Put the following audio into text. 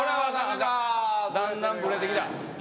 だんだんブレてきた。